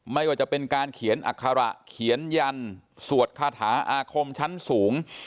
ไม่ว่าจะเป็นการเขียนอัคระเขียนยันสวดคาถาอาคมชั้นสูง